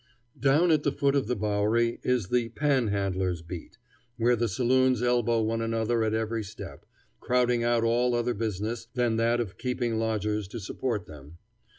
Down at the foot of the Bowery is the "pan handlers' beat," where the saloons elbow one another at every step, crowding out all other business than that of keeping lodgers to support them.